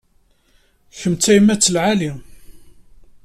Kemm d tayemmat n lɛali.